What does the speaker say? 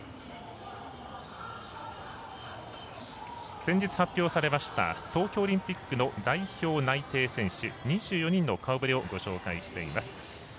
先日発表されました東京オリンピックの代表内定選手２４人の顔ぶれをご紹介しています。